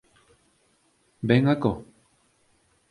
Ven acó.